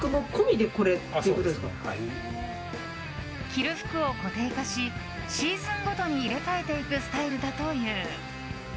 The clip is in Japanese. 着る服を固定化しシーズンごとに入れ替えていくスタイルだという。